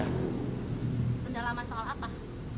pendalaman soal apa